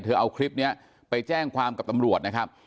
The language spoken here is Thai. เอาคลิปนี้ไปแจ้งความกับตำรวจนะครับ